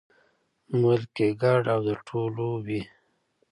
بلکې ګډ او د ټولو وي.